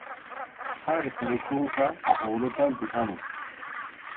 Qharip muhunqa qʼurutanpi hamun.